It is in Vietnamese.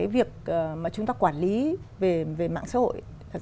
việc quản lý mạng xã hội